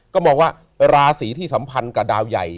ก็มองว่าราศีที่สัมพันธ์กับดาวใหญ่